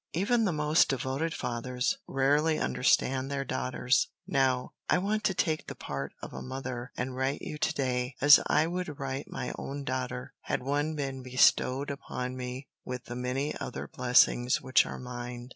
Even the most devoted fathers, rarely understand their daughters. Now, I want to take the part of a mother and write you to day, as I would write my own daughter, had one been bestowed upon me with the many other blessings which are mine.